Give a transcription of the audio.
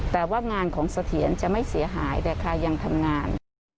แต่ว่างานของเสถียรจะไม่เสียหายแต่ใครยังทำงาน